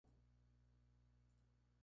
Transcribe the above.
Casado con Laura Rodríguez Tagle.